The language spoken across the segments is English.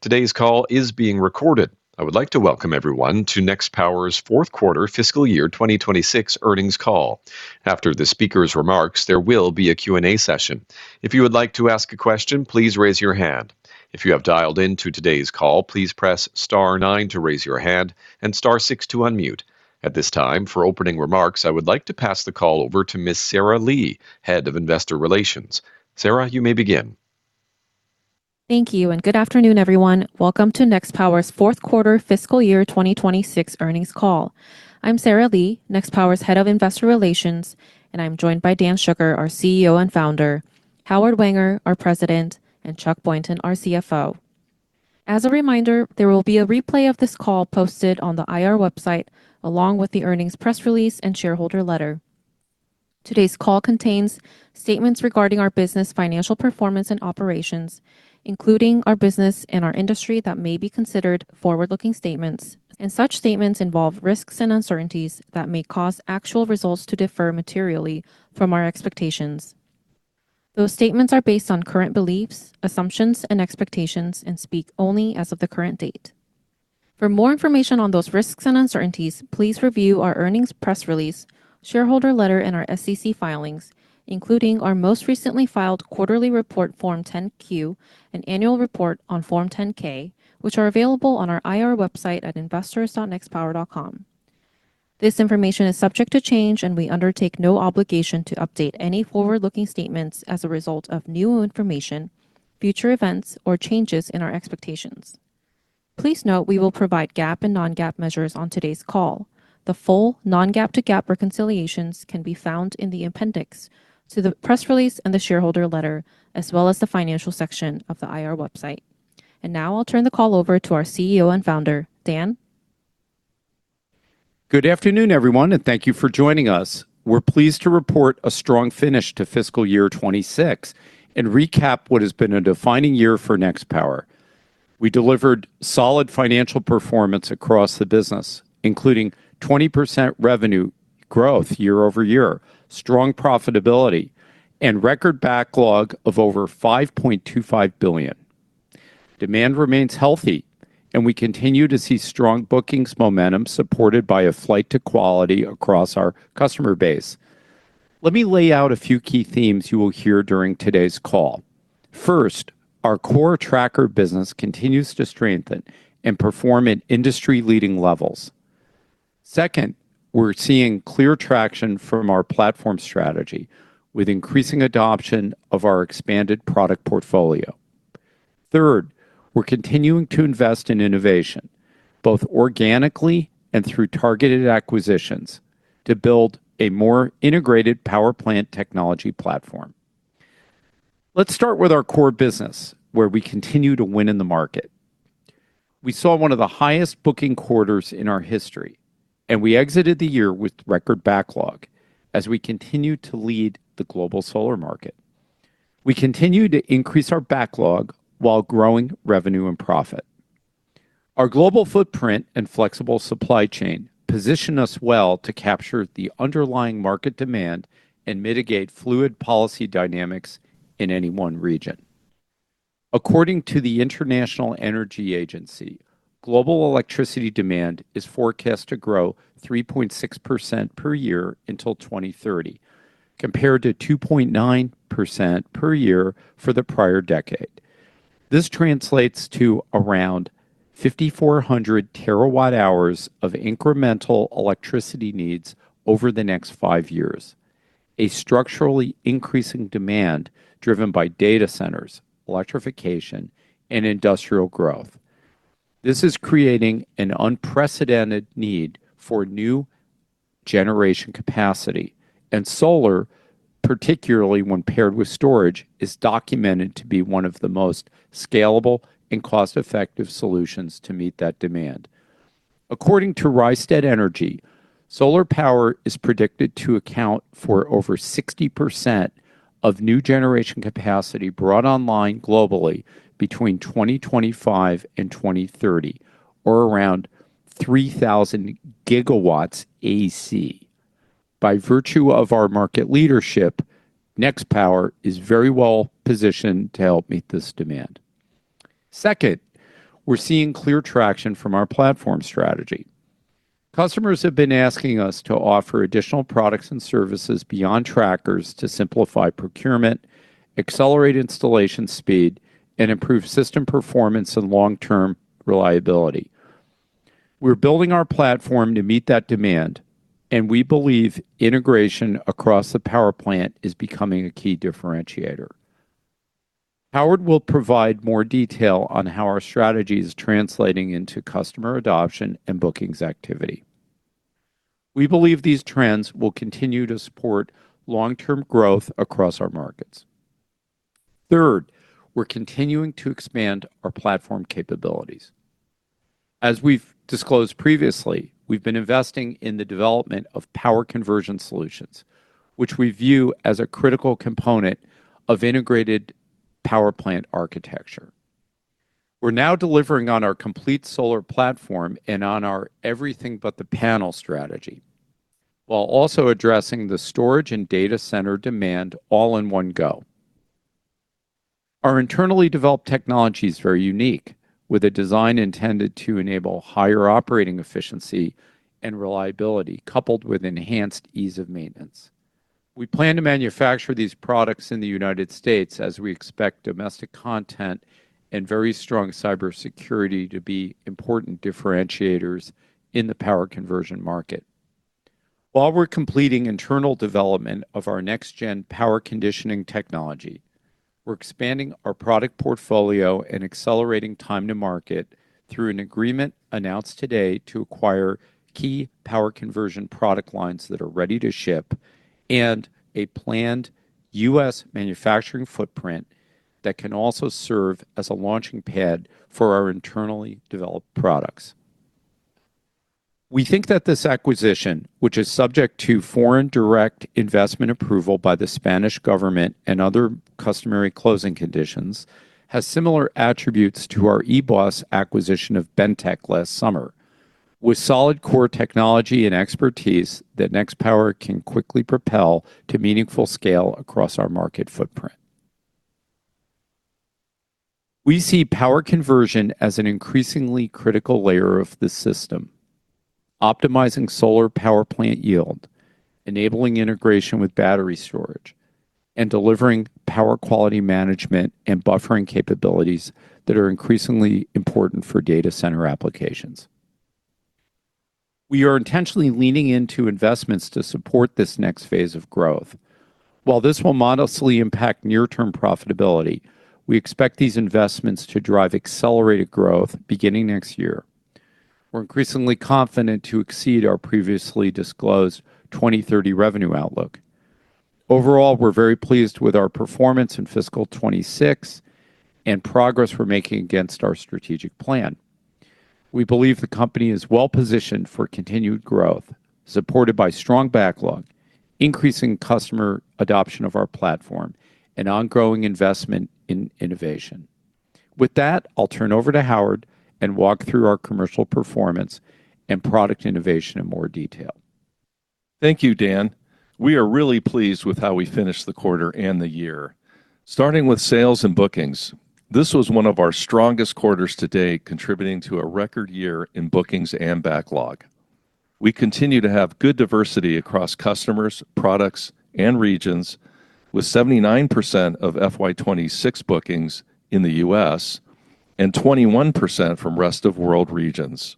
Today's call is being recorded. I would like to welcome everyone to Nextpower's fourth quarter fiscal year 2026 earnings call. After the speaker's remarks, there will be a Q&A session. If you would like to ask a question, please raise your hand. If you have dialed into today's call, please press star nine to raise your hand and star six to unmute. At this time, for opening remarks, I would like to pass the call over to Miss Sarah Lee, Head of Investor Relations. Sarah, you may begin. Thank you, good afternoon, everyone. Welcome to Nextpower's 4th quarter fiscal year 2026 earnings call. I'm Sarah Lee, Nextpower's Head of Investor Relations, and I'm joined by Dan Shugar, our CEO and Founder, Howard Wenger, our President, and Chuck Boynton, our CFO. As a reminder, there will be a replay of this call posted on the IR website, along with the earnings press release and shareholder letter. Today's call contains statements regarding our business financial performance and operations, including our business and our industry that may be considered forward-looking statements, and such statements involve risks and uncertainties that may cause actual results to differ materially from our expectations. Those statements are based on current beliefs, assumptions, and expectations and speak only as of the current date. For more information on those risks and uncertainties, please review our earnings press release, shareholder letter, and our SEC filings, including our most recently filed quarterly report, Form 10-Q, and annual report on Form 10-K, which are available on our IR website at investors.nextpower.com. This information is subject to change, and we undertake no obligation to update any forward-looking statements as a result of new information, future events, or changes in our expectations. Please note we will provide GAAP and non-GAAP measures on today's call. The full non-GAAP to GAAP reconciliations can be found in the appendix to the press release and the shareholder letter, as well as the financial section of the IR website. Now I'll turn the call over to our CEO and Founder, Dan. Good afternoon, everyone, and thank you for joining us. We're pleased to report a strong finish to fiscal year 2026 and recap what has been a defining year for Nextpower. We delivered solid financial performance across the business, including 20% revenue growth year-over-year, strong profitability, and record backlog of over $5.25 billion. Demand remains healthy, we continue to see strong bookings momentum supported by a flight to quality across our customer base. Let me lay out a few key themes you will hear during today's call. First, our core tracker business continues to strengthen and perform at industry-leading levels. Second, we're seeing clear traction from our platform strategy with increasing adoption of our expanded product portfolio. Third, we're continuing to invest in innovation, both organically and through targeted acquisitions, to build a more integrated power plant technology platform. Let's start with our core business, where we continue to win in the market. We saw one of the highest booking quarters in our history, and we exited the year with record backlog as we continue to lead the global solar market. We continue to increase our backlog while growing revenue and profit. Our global footprint and flexible supply chain position us well to capture the underlying market demand and mitigate fluid policy dynamics in any one region. According to the International Energy Agency, global electricity demand is forecast to grow 3.6% per year until 2030, compared to 2.9% per year for the prior decade. This translates to around 5,400 terawatt-hours of incremental electricity needs over the next five years, a structurally increasing demand driven by data centers, electrification, and industrial growth. This is creating an unprecedented need for new generation capacity, and solar, particularly when paired with storage, is documented to be one of the most scalable and cost-effective solutions to meet that demand. According to Rystad Energy, solar power is predicted to account for over 60% of new generation capacity brought online globally between 2025 and 2030 or around 3,000 gigawatts AC. By virtue of our market leadership, Nextpower is very well positioned to help meet this demand. Second, we're seeing clear traction from our platform strategy. Customers have been asking us to offer additional products and services beyond trackers to simplify procurement, accelerate installation speed, and improve system performance and long-term reliability. We're building our platform to meet that demand, and we believe integration across the power plant is becoming a key differentiator. Howard will provide more detail on how our strategy is translating into customer adoption and bookings activity. We believe these trends will continue to support long-term growth across our markets. Third, we're continuing to expand our platform capabilities. As we've disclosed previously, we've been investing in the development of power conversion solutions, which we view as a critical component of integrated power plant architecture. We're now delivering on our complete solar platform and on our everything but the panel strategy, while also addressing the storage and data center demand all in one go. Our internally developed technology is very unique, with a design intended to enable higher operating efficiency and reliability, coupled with enhanced ease of maintenance. We plan to manufacture these products in the United States as we expect domestic content and very strong cybersecurity to be important differentiators in the power conversion market. While we're completing internal development of our next-gen power conditioning technology, we're expanding our product portfolio and accelerating time to market through an agreement announced today to acquire key power conversion product lines that are ready to ship and a planned U.S. manufacturing footprint that can also serve as a launching pad for our internally developed products. We think that this acquisition, which is subject to foreign direct investment approval by the Spanish government and other customary closing conditions, has similar attributes to our eBOS acquisition of Bentek last summer, with solid core technology and expertise that Nextpower can quickly propel to meaningful scale across our market footprint. We see power conversion as an increasingly critical layer of the system, optimizing solar power plant yield, enabling integration with battery storage, and delivering power quality management and buffering capabilities that are increasingly important for data center applications. We are intentionally leaning into investments to support this next phase of growth. While this will modestly impact near-term profitability, we expect these investments to drive accelerated growth beginning next year. We're increasingly confident to exceed our previously disclosed 2030 revenue outlook. Overall, we're very pleased with our performance in fiscal 2026 and progress we're making against our strategic plan. We believe the company is well-positioned for continued growth, supported by strong backlog, increasing customer adoption of our platform, and ongoing investment in innovation. With that, I'll turn over to Howard and walk through our commercial performance and product innovation in more detail. Thank you, Dan. We are really pleased with how we finished the quarter and the year. Starting with sales and bookings, this was one of our strongest quarters to date, contributing to a record year in bookings and backlog. We continue to have good diversity across customers, products, and regions, with 79% of FY 2026 bookings in the U.S. and 21% from rest of world regions.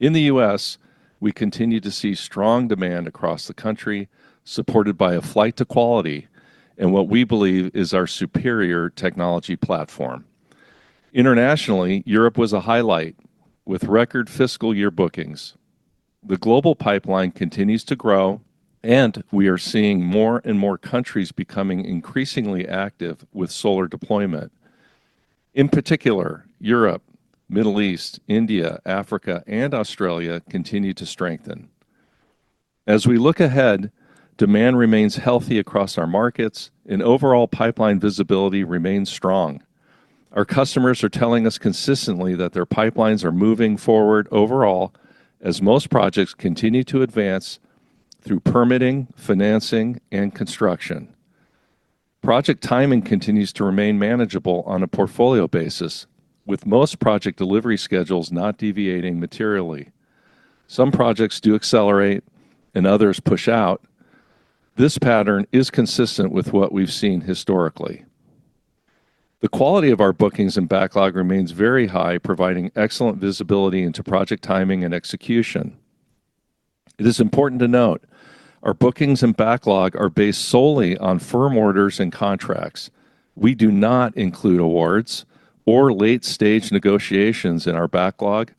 In the U.S., we continue to see strong demand across the country, supported by a flight to quality and what we believe is our superior technology platform. Internationally, Europe was a highlight with record fiscal year bookings. The global pipeline continues to grow. We are seeing more and more countries becoming increasingly active with solar deployment. In particular, Europe, Middle East, India, Africa, and Australia continue to strengthen. As we look ahead, demand remains healthy across our markets, and overall pipeline visibility remains strong. Our customers are telling us consistently that their pipelines are moving forward overall as most projects continue to advance through permitting, financing, and construction. Project timing continues to remain manageable on a portfolio basis, with most project delivery schedules not deviating materially. Some projects do accelerate, and others push out. This pattern is consistent with what we've seen historically. The quality of our bookings and backlog remains very high, providing excellent visibility into project timing and execution. It is important to note, our bookings and backlog are based solely on firm orders and contracts. We do not include awards or late-stage negotiations in our backlog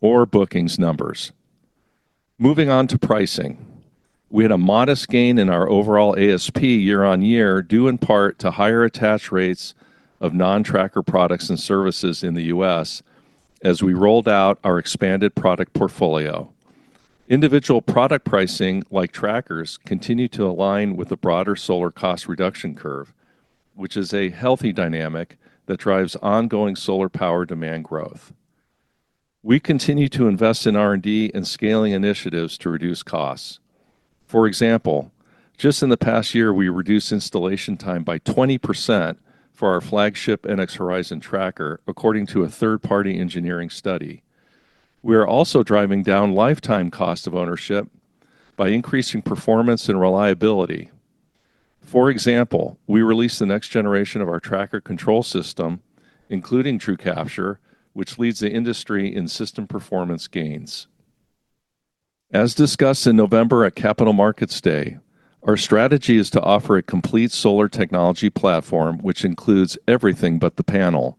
or bookings numbers. Moving on to pricing. We had a modest gain in our overall ASP year-over-year, due in part to higher attach rates of non-tracker products and services in the U.S. as we rolled out our expanded product portfolio. Individual product pricing, like trackers, continue to align with the broader solar cost reduction curve, which is a healthy dynamic that drives ongoing solar power demand growth. We continue to invest in R&D and scaling initiatives to reduce costs. For example, just in the past year, we reduced installation time by 20% for our flagship NX Horizon tracker, according to a third-party engineering study. We are also driving down lifetime cost of ownership by increasing performance and reliability. For example, we released the next generation of our tracker control system, including TrueCapture, which leads the industry in system performance gains. As discussed in November at Capital Markets Day, our strategy is to offer a complete solar technology platform, which includes everything but the panel.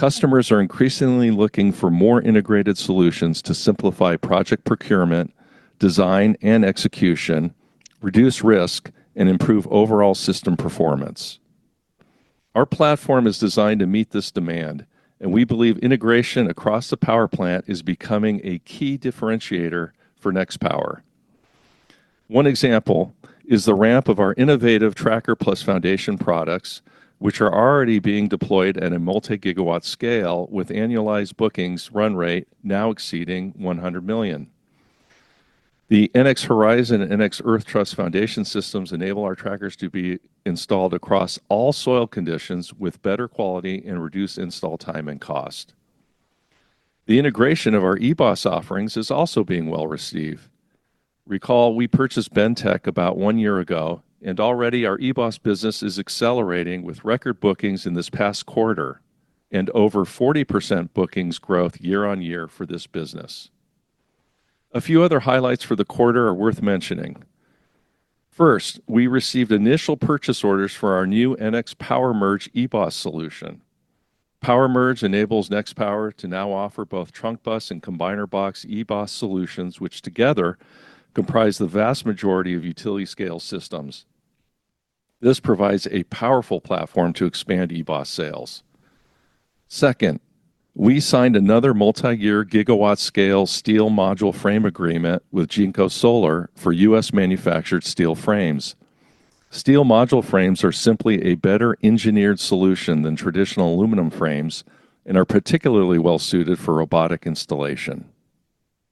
Customers are increasingly looking for more integrated solutions to simplify project procurement, design, and execution, reduce risk, and improve overall system performance. Our platform is designed to meet this demand, and we believe integration across the power plant is becoming a key differentiator for Nextpower. One example is the ramp of our innovative Tracker Plus foundation products, which are already being deployed at a multi-gigawatt scale with annualized bookings run rate now exceeding $100 million. The NX Horizon and NX Earth Truss foundation systems enable our trackers to be installed across all soil conditions with better quality and reduced install time and cost. The integration of our eBOS offerings is also being well-received. Recall we purchased Bentek about one year ago, and already our eBOS business is accelerating with record bookings in this past quarter and over 40% bookings growth year on year for this business. A few other highlights for the quarter are worth mentioning. First, we received initial purchase orders for our new NX PowerMerge eBOS solution. NX PowerMerge enables Nextpower to now offer both trunk bus and combiner box eBOS solutions, which together comprise the vast majority of utility-scale systems. This provides a powerful platform to expand eBOS sales. Second, we signed another multi-year gigawatt-scale steel module frame agreement with Jinko Solar for U.S.-manufactured steel frames. Steel module frames are simply a better-engineered solution than traditional aluminum frames and are particularly well-suited for robotic installation.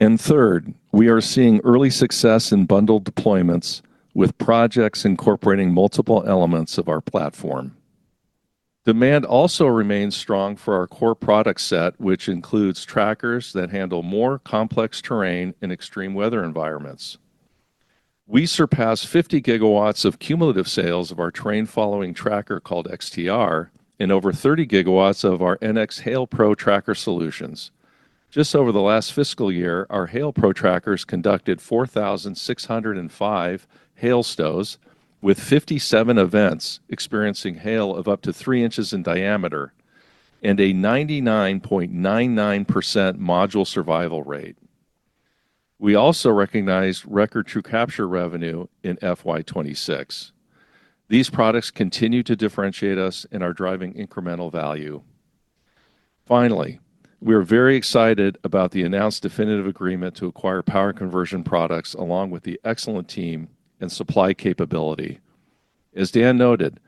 Third, we are seeing early success in bundled deployments with projects incorporating multiple elements of our platform. Demand also remains strong for our core product set, which includes trackers that handle more complex terrain and extreme weather environments. We surpassed 50 GW of cumulative sales of our terrain following tracker called XTR and over 30 GW of our NX Hail Pro tracker solutions. Just over the last fiscal year, our Hail Pro trackers conducted 4,605 hail stows with 57 events experiencing hail of up to 3 inches in diameter and a 99.99% module survival rate. We also recognized record TrueCapture revenue in FY 2026. These products continue to differentiate us and are driving incremental value. Finally, we are very excited about the announced definitive agreement to acquire power conversion products along with the excellent team and supply capability. As Dan noted,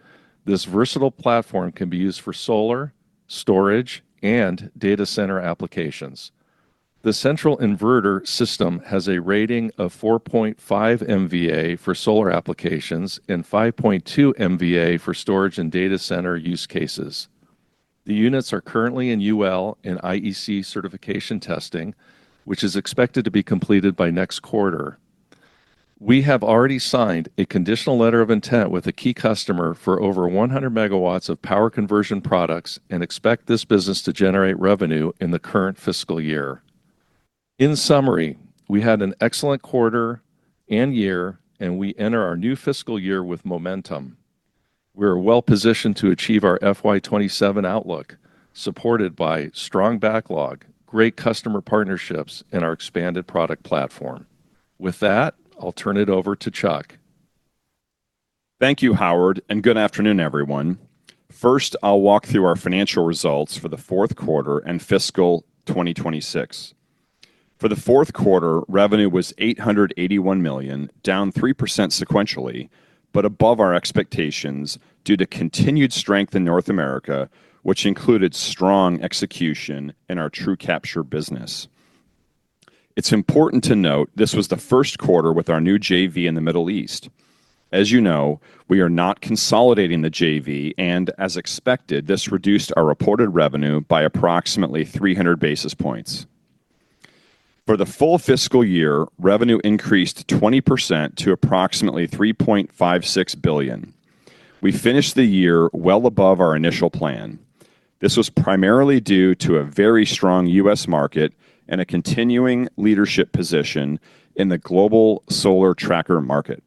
this versatile platform can be used for solar, storage, and data center applications. The central inverter system has a rating of 4.5 MVA for solar applications and 5.2 MVA for storage and data center use cases. The units are currently in UL and IEC certification testing, which is expected to be completed by next quarter. We have already signed a conditional letter of intent with a key customer for over 100 MW of power conversion products and expect this business to generate revenue in the current fiscal year. In summary, we had an excellent quarter and year, and we enter our new fiscal year with momentum. We are well-positioned to achieve our FY 2027 outlook, supported by strong backlog, great customer partnerships, and our expanded product platform. With that, I'll turn it over to Chuck. Thank you, Howard, and good afternoon, everyone. First, I'll walk through our financial results for the fourth quarter and fiscal 2026. For the fourth quarter, revenue was $881 million, down 3% sequentially, but above our expectations due to continued strength in North America, which included strong execution in our TrueCapture business. It's important to note this was the first quarter with our new JV in the Middle East. As you know, we are not consolidating the JV, and as expected, this reduced our reported revenue by approximately 300 basis points. For the full fiscal year, revenue increased 20% to approximately $3.56 billion. We finished the year well above our initial plan. This was primarily due to a very strong U.S. market and a continuing leadership position in the global solar tracker market.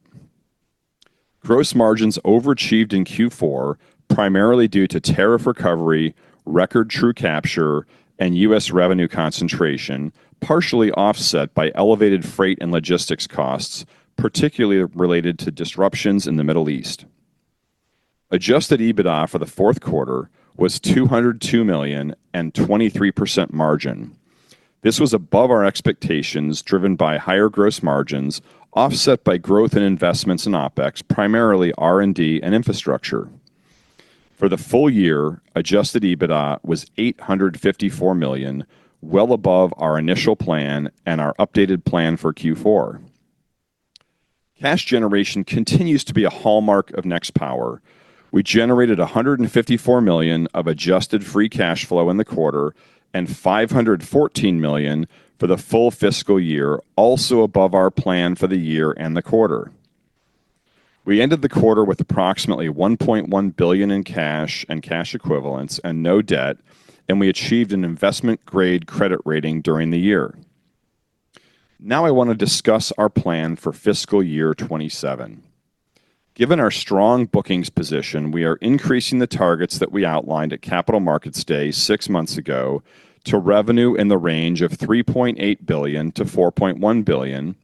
Gross margins overachieved in Q4, primarily due to tariff recovery, record TrueCapture, and U.S. revenue concentration, partially offset by elevated freight and logistics costs, particularly related to disruptions in the Middle East. Adjusted EBITDA for the fourth quarter was $202 million and 23% margin. This was above our expectations, driven by higher gross margins, offset by growth in investments in OpEx, primarily R&D and infrastructure. For the full year, adjusted EBITDA was $854 million, well above our initial plan and our updated plan for Q4. Cash generation continues to be a hallmark of Nextpower. We generated $154 million of adjusted free cash flow in the quarter and $514 million for the full fiscal year, also above our plan for the year and the quarter. We ended the quarter with approximately $1.1 billion in cash and cash equivalents and no debt, and we achieved an investment-grade credit rating during the year. I want to discuss our plan for fiscal year 2027. Given our strong bookings position, we are increasing the targets that we outlined at Capital Markets Day SIX months ago to revenue in the range of $3.8 billion-$4.1 billion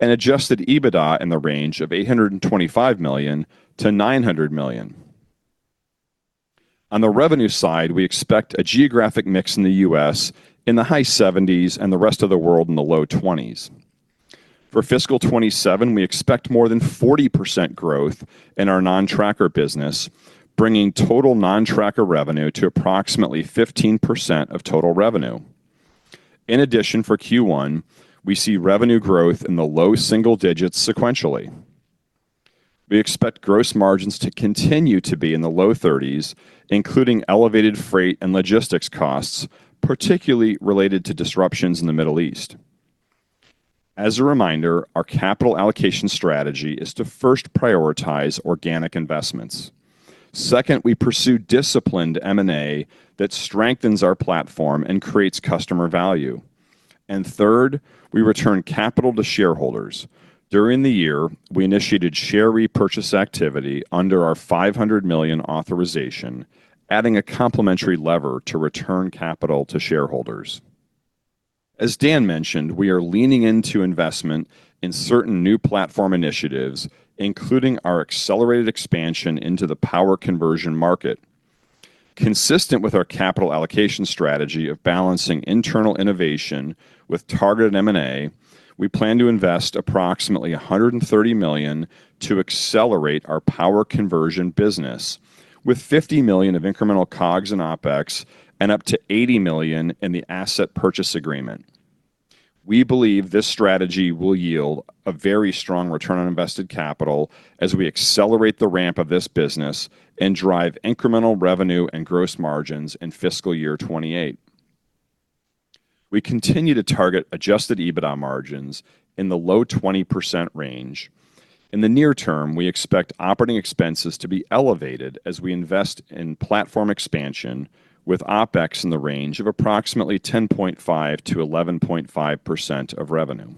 and adjusted EBITDA in the range of $825 million-$900 million. On the revenue side, we expect a geographic mix in the U.S. in the high 70s and the rest of the world in the low 20s. For fiscal 2027, we expect more than 40% growth in our non-tracker business, bringing total non-tracker revenue to approximately 15% of total revenue. For Q1, we see revenue growth in the low single digits sequentially. We expect gross margins to continue to be in the low 30s, including elevated freight and logistics costs, particularly related to disruptions in the Middle East. As a reminder, our capital allocation strategy is to first prioritize organic investments. Second, we pursue disciplined M&A that strengthens our platform and creates customer value. Third, we return capital to shareholders. During the year, we initiated share repurchase activity under our $500 million authorization, adding a complementary lever to return capital to shareholders. As Dan mentioned, we are leaning into investment in certain new platform initiatives, including our accelerated expansion into the power conversion market. Consistent with our capital allocation strategy of balancing internal innovation with targeted M&A, we plan to invest approximately $130 million to accelerate our power conversion business with $50 million of incremental COGS and OpEx and up to $80 million in the asset purchase agreement. We believe this strategy will yield a very strong return on invested capital as we accelerate the ramp of this business and drive incremental revenue and gross margins in fiscal year 2028. We continue to target adjusted EBITDA margins in the low 20% range. In the near-term, we expect operating expenses to be elevated as we invest in platform expansion with OpEx in the range of approximately 10.5%-11.5% of revenue.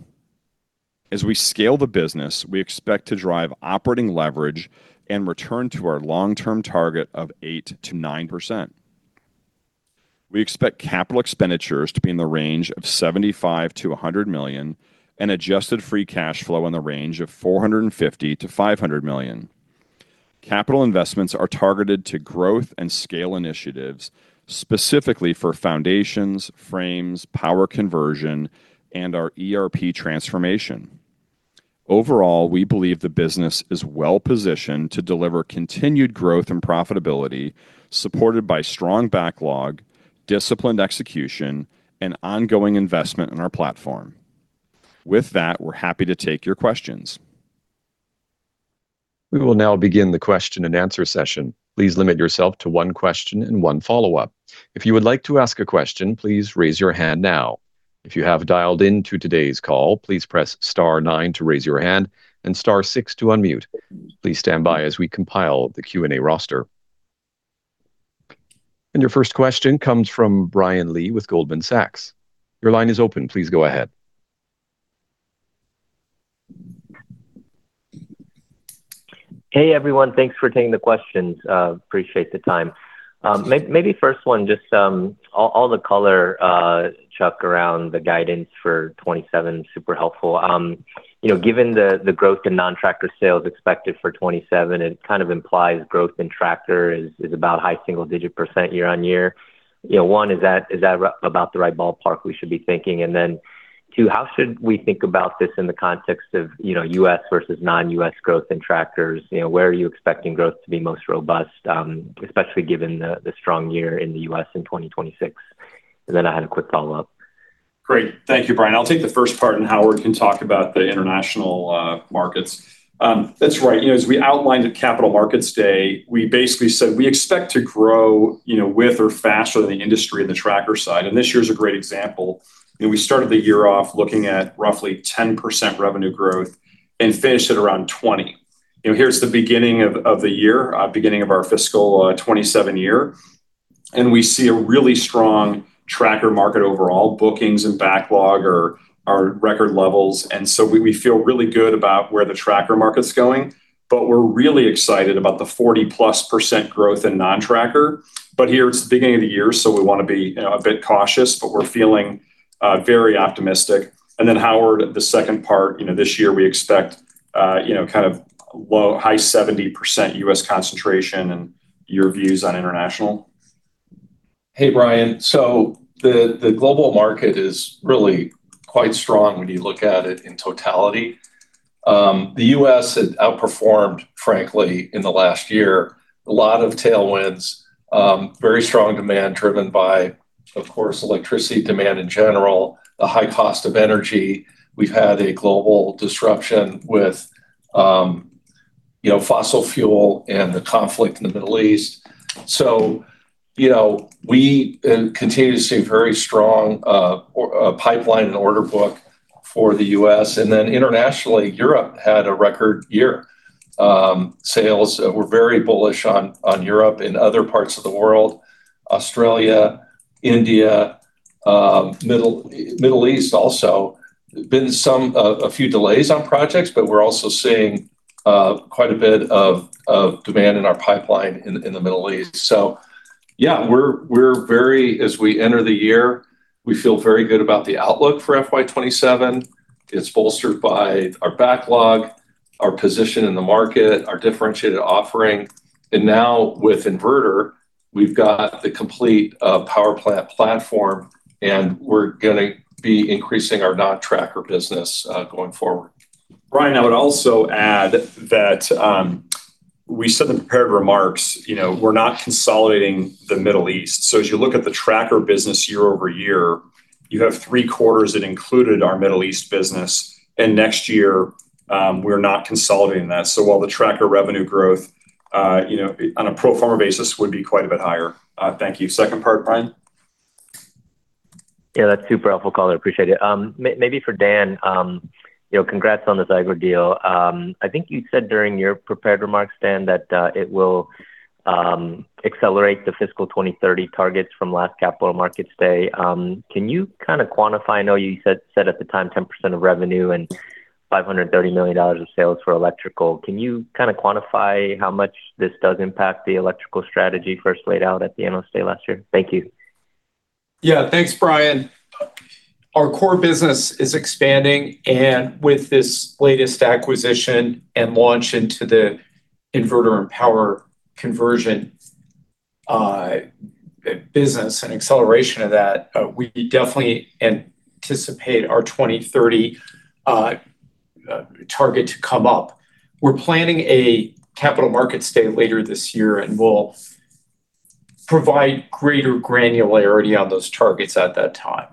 As we scale the business, we expect to drive operating leverage and return to our long-term target of 8%-9%. We expect capital expenditures to be in the range of $75 million-$100 million and adjusted free cash flow in the range of $450 million-$500 million. Capital investments are targeted to growth and scale initiatives, specifically for foundations, frames, power conversion, and our ERP transformation. Overall, we believe the business is well-positioned to deliver continued growth and profitability, supported by strong backlog, disciplined execution, and ongoing investment in our platform. With that, we're happy to take your questions. We will now begin the question-and-answer session. Please limit yourself to one question and one follow-up. If you would like to ask a question, please raise your hand now. If you have dialed into today's call, please press star nine to raise your hand and star six to unmute. Your first question comes from Brian Lee with Goldman Sachs. Your line is open. Please go ahead. Hey everyone, thanks for taking the questions. Appreciate the time. First one, just all the color, Chuck, around the guidance for 2027, super helpful. You know, given the growth in non-tracker sales expected for 2027, it kind of implies growth in tracker is about high single-digit percent year-over-year. You know, one, is that about the right ballpark we should be thinking? Then two, how should we think about this in the context of, you know, U.S. versus non-U.S. growth in trackers? You know, where are you expecting growth to be most robust, especially given the strong year in the U.S. in 2026? Then I had a quick follow-up. Great. Thank you, Brian. I'll take the first part. Howard can talk about the international markets. That's right. You know, as we outlined at Capital Markets Day, we basically said we expect to grow, you know, with or faster than the industry in the tracker side, and this year's a great example. You know, we started the year off looking at roughly 10% revenue growth and finished at around 20%. You know, here's the beginning of the year, beginning of our fiscal 2027 year, and we see a really strong tracker market overall. Bookings and backlog are record levels. We feel really good about where the tracker market's going, but we're really excited about the 40%+ growth in non-tracker. Here, it's the beginning of the year, so we wanna be, you know, a bit cautious, but we're feeling very optimistic. Howard, the second part, you know, this year we expect, you know, kind of low- high 70% U.S. concentration and your views on international. Hey, Brian. The global market is really quite strong when you look at it in totality. The U.S. had outperformed, frankly, in the last year. A lot of tailwinds, very strong demand driven by, of course, electricity demand in general, the high cost of energy. We've had a global disruption with, you know, fossil fuel and the conflict in the Middle East. You know, we continue to see very strong pipeline and order book for the U.S. Internationally, Europe had a record year. Sales were very bullish on Europe and other parts of the world, Australia, India, Middle East also. Been some a few delays on projects, but we're also seeing quite a bit of demand in our pipeline in the Middle East. Yeah, as we enter the year, we feel very good about the outlook for FY 2027. It's bolstered by our backlog. Our position in the market, our differentiated offering, and now with inverter, we've got the complete power plant platform, and we're gonna be increasing our non-tracker business going forward. Brian, I would also add that we said in the prepared remarks, you know, we're not consolidating the Middle East. As you look at the tracker business year-over-year, you have three quarters that included our Middle East business, and next year, we're not consolidating that, while the tracker revenue growth, you know, on a pro forma basis would be quite a bit higher. Thank you. Second part, Brian? Yeah, that's super helpful. I appreciate it. Maybe for Dan, you know, congrats on the Zigor deal. I think you said during your prepared remarks, Dan, that it will accelerate the fiscal 2030 targets from last Capital Markets Day. Can you kind of quantify? I know you said at the time 10% of revenue and $530 million of sales for electrical. Can you kind of quantify how much this does impact the electrical strategy first laid out at the analyst day last year? Thank you. Yeah. Thanks, Brian. Our core business is expanding, and with this latest acquisition and launch into the inverter and power conversion business and acceleration of that, we definitely anticipate our 2030 target to come up. We're planning a Capital Markets Day later this year, and we'll provide greater granularity on those targets at that time.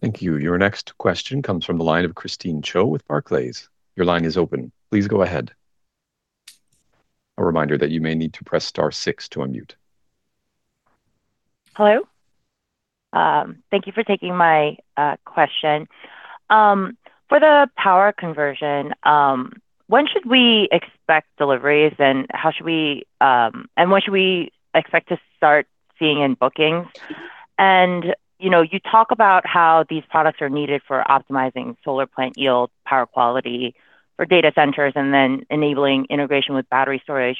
Thank you. Your next question comes from the line of Christine Cho with Barclays. Your line is open. Please go ahead. Hello. Thank you for taking my question. For the power conversion, when should we expect deliveries? When should we expect to start seeing in bookings? You know, you talk about how these products are needed for optimizing solar plant yield, power quality for data centers, and then enabling integration with battery storage.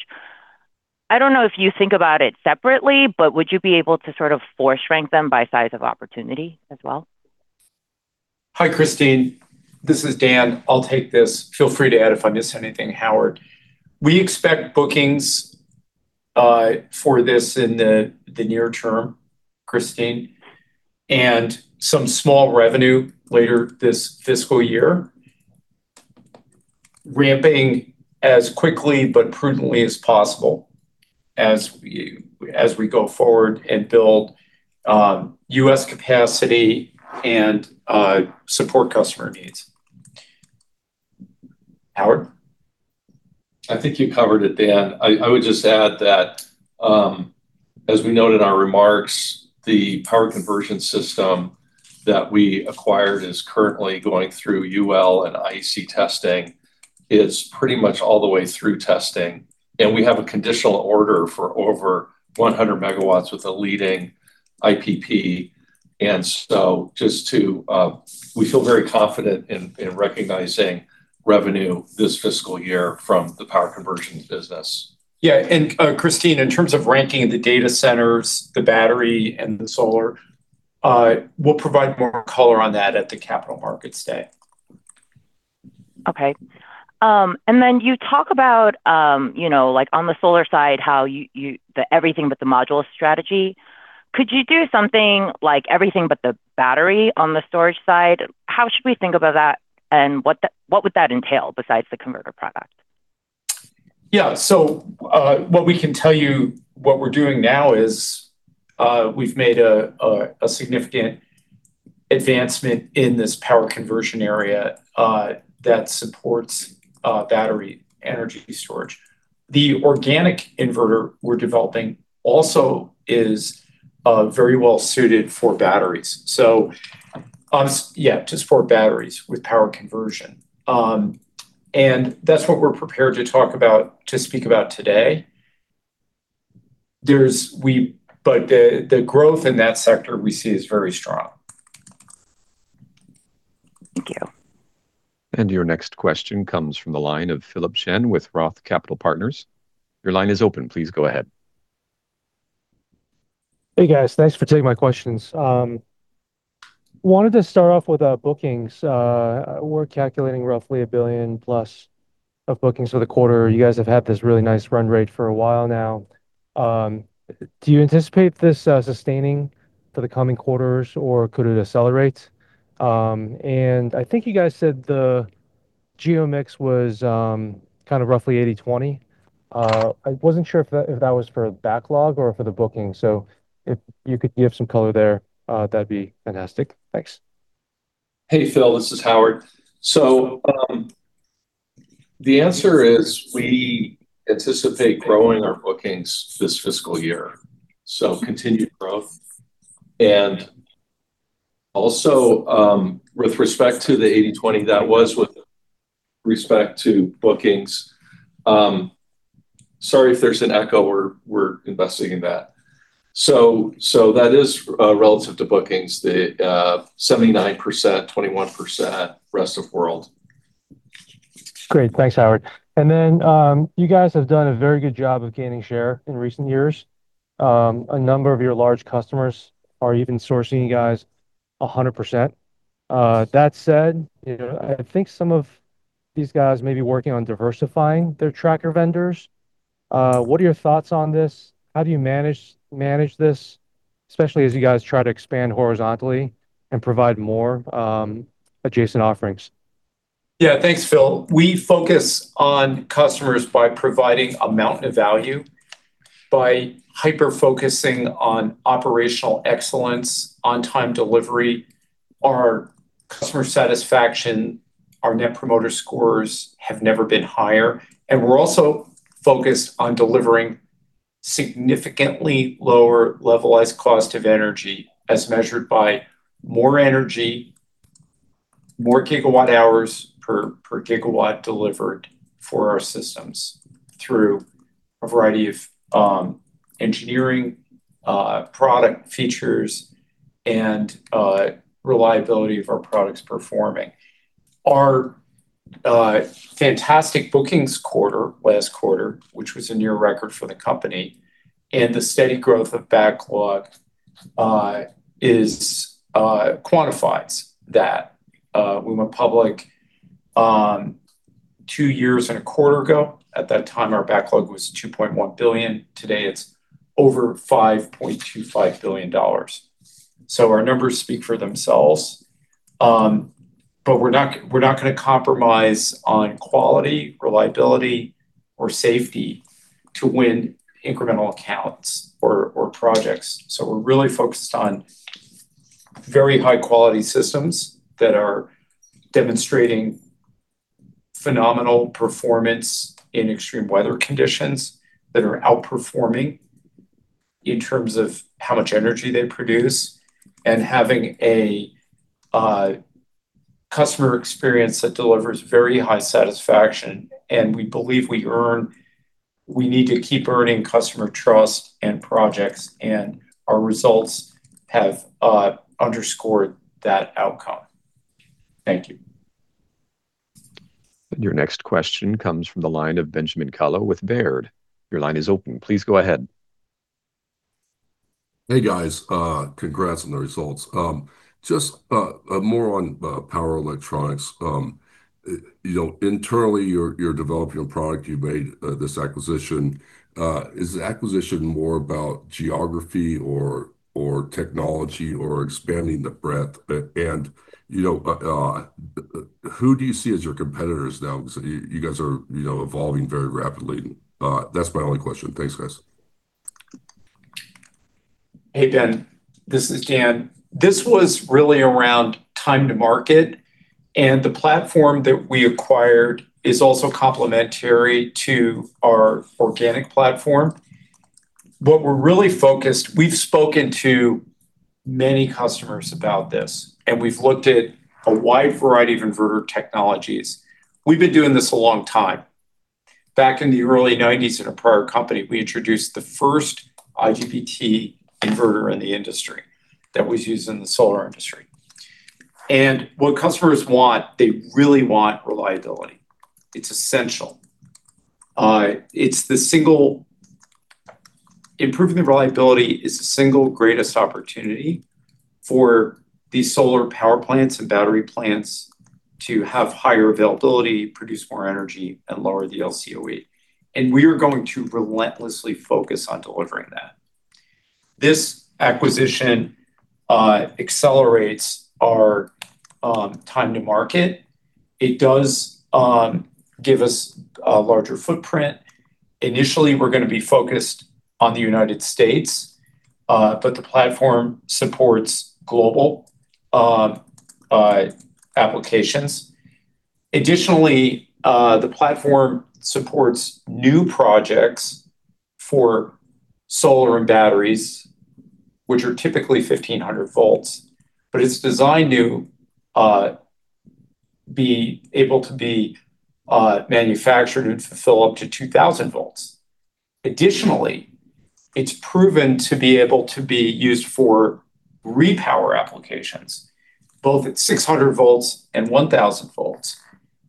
I don't know if you think about it separately, but would you be able to sort of force rank them by size of opportunity as well? Hi, Christine. This is Dan. I'll take this. Feel free to add if I miss anything, Howard. We expect bookings for this in the near-term, Christine, and some small revenue later this fiscal year, ramping as quickly but prudently as possible as we, as we go forward and build U.S. capacity and support customer needs. Howard? I think you covered it, Dan. I would just add that, as we noted our remarks, the power conversion system that we acquired is currently going through UL and IEC testing. It's pretty much all the way through testing, and we have a conditional order for over 100 MW with a leading IPP. We feel very confident in recognizing revenue this fiscal year from the power conversion business. Yeah. Christine, in terms of ranking the data centers, the battery, and the solar, we'll provide more color on that at the Capital Markets Day. Okay. You talk about, you know, like on the solar side, how you the everything but the module strategy. Could you do something like everything but the battery on the storage side? How should we think about that, and what would that entail besides the converter product? Yeah. What we can tell you, what we're doing now is, we've made a significant advancement in this power conversion area that supports battery energy storage. The organic inverter we're developing also is very well suited for batteries. Yeah, just for batteries with power conversion. That's what we're prepared to talk about, to speak about today. The growth in that sector we see is very strong. Thank you. Your next question comes from the line of Philip Shen with ROTH Capital Partners. Your line is open. Please go ahead. Hey, guys. Thanks for taking my questions. Wanted to start off with bookings. We're calculating roughly $1 billion+ of bookings for the quarter. You guys have had this really nice run rate for a while now. Do you anticipate this sustaining for the coming quarters, or could it accelerate? I think you guys said the geo mix was kind of roughly 80/20. I wasn't sure if that was for backlog or for the booking. If you could give some color there, that'd be fantastic. Thanks. Hey, Phil. This is Howard. The answer is we anticipate growing our bookings this fiscal year, so continued growth. With respect to the 80/20, that was with respect to bookings. Sorry if there's an echo. We're investigating that. That is, relative to bookings, the, 79%, 21% rest of world. Great. Thanks, Howard. Then, you guys have done a very good job of gaining share in recent years. A number of your large customers are even sourcing you guys 100%. That said, you know, I think some of these guys may be working on diversifying their tracker vendors. What are your thoughts on this? How do you manage this, especially as you guys try to expand horizontally and provide more adjacent offerings? Thanks, Phil. We focus on customers by providing a mountain of value, by hyper-focusing on operational excellence, on-time delivery. Our customer satisfaction, our Net Promoter Score have never been higher. We're also focused on delivering significantly lower levelized cost of energy as measured by more energy, more gigawatt hours per gigawatt delivered for our systems through a variety of engineering, product features and reliability of our products performing. Our fantastic bookings quarter last quarter, which was a near record for the company. The steady growth of backlog quantifies that. We went public two years and a quarter ago. At that time, our backlog was $2.1 billion. Today, it's over $5.25 billion. Our numbers speak for themselves. We're not gonna compromise on quality, reliability, or safety to win incremental accounts or projects. We're really focused on very high quality systems that are demonstrating phenomenal performance in extreme weather conditions, that are outperforming in terms of how much energy they produce, and having a customer experience that delivers very high satisfaction. We believe we need to keep earning customer trust and projects, and our results have underscored that outcome. Thank you. Your next question comes from the line of Benjamin Kallo with Baird. Your line is open. Please go ahead. Hey, guys. Congrats on the results. Just more on power electronics. You know, internally, you're developing a product. You made this acquisition. Is the acquisition more about geography or technology or expanding the breadth? You know, who do you see as your competitors now? 'Cause you guys are, you know, evolving very rapidly. That's my only question. Thanks, guys. Hey, Ben. This is Dan. This was really around time to market. The platform that we acquired is also complementary to our organic platform. We've spoken to many customers about this. We've looked at a wide variety of inverter technologies. We've been doing this a long time. Back in the early 90s at a prior company, we introduced the first IGBT inverter in the industry that was used in the solar industry. What customers want, they really want reliability. It's essential. Improving the reliability is the single greatest opportunity for these solar power plants and battery plants to have higher availability, produce more energy, and lower the LCOE. We are going to relentlessly focus on delivering that. This acquisition accelerates our time to market. It does give us a larger footprint. Initially, we're gonna be focused on the U.S., the platform supports global applications. Additionally, the platform supports new projects for solar and batteries, which are typically 1,500 V, it's designed to be able to be manufactured and fulfill up to 2,000 V. Additionally, it's proven to be able to be used for repower applications, both at 600 V and 1,000 V.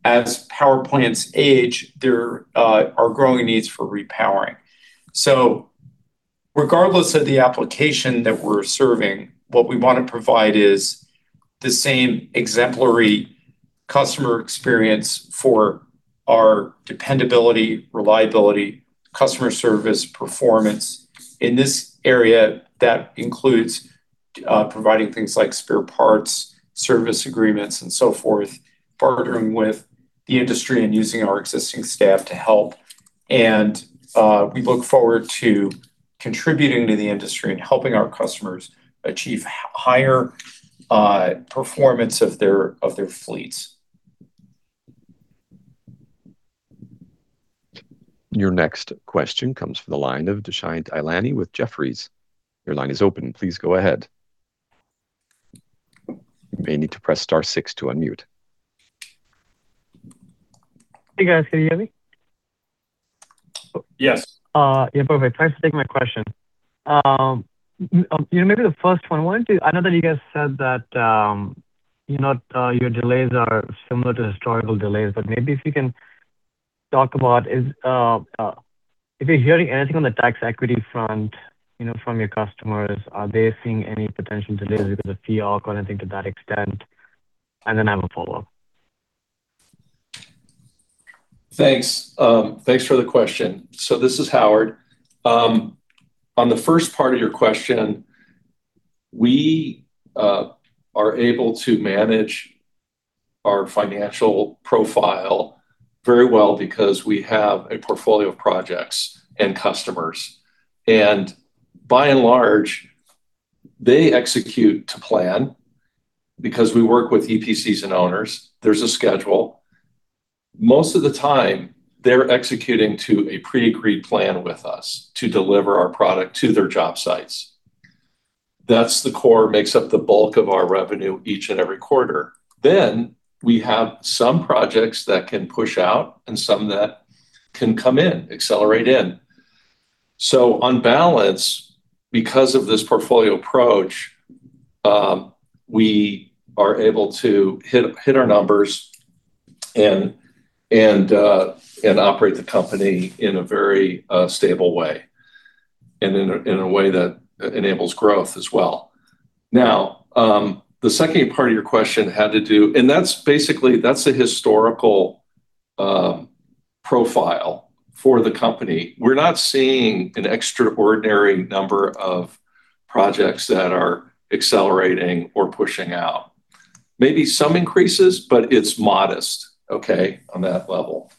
As power plants age, there are growing needs for repowering. Regardless of the application that we're serving, what we wanna provide is the same exemplary customer experience for our dependability, reliability, customer service, performance. In this area, that includes providing things like spare parts, service agreements, and so forth, partnering with the industry and using our existing staff to help. We look forward to contributing to the industry and helping our customers achieve higher performance of their fleets. Your next question comes from the line of Dushyant Ailani with Jefferies. Your line is open. Please go ahead. Hey, guys. Can you hear me? Yes. Yeah, perfect. Thanks for taking my question. You know, maybe the first one, I know that you guys said that, you know, your delays are similar to historical delays, but maybe if you can talk about if you're hearing anything on the tax equity front, you know, from your customers, are they seeing any potential delays because of FEOC or anything to that extent? Then I have a follow-up. Thanks, thanks for the question. This is Howard. On the first part of your question, we are able to manage our financial profile very well because we have a portfolio of projects and customers. By and large, they execute to plan because we work with EPCs and owners. There's a schedule. Most of the time they're executing to a pre-agreed plan with us to deliver our product to their job sites. That's the core, makes up the bulk of our revenue each and every quarter. We have some projects that can push out and some that can come in, accelerate in. On balance, because of this portfolio approach, we are able to hit our numbers and operate the company in a very stable way, and in a way that enables growth as well. Now, the second part of your question had to do. That's basically, that's a historical profile for the company. We're not seeing an extraordinary number of projects that are accelerating or pushing out. Maybe some increases, but it's modest, okay, on that level.